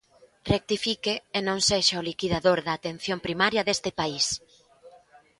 Rectifique e non sexa o liquidador da atención primaria deste país.